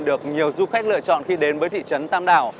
được nhiều du khách lựa chọn khi đến với thị trấn tam đảo